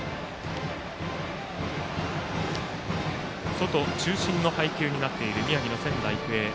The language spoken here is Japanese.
外中心の配球になっている宮城の仙台育英。